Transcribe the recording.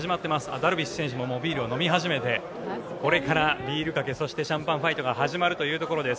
ダルビッシュ選手もビールを飲み始めてシャンパンファイトが始まるというところです。